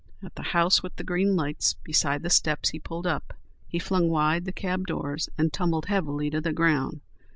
At the house with the green lights beside the steps he pulled up. He flung wide the cab doors and tumbled heavily to the ground.